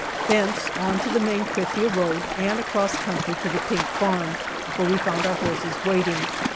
Thence on to the main Krithia road, and across country to the Pink Farm, where we found our horses waiting.